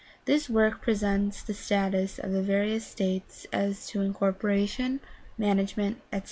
This work presents the statutes of the various states as to incorporation, management, etc.